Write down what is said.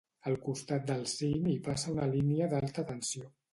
Al costat del cim hi passa una línia d'alta tensió.